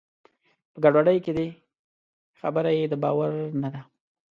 په ګډوډۍ کې دی؛ خبره یې د باور نه ده.